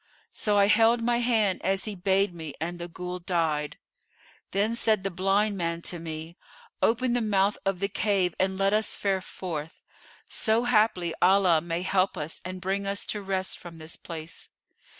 So I held my hand as he bade me, and the Ghul died. Then said the blind man to me, 'Open the mouth of the cave and let us fare forth; so haply Allah may help us and bring us to rest from this place.